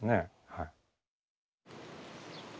はい。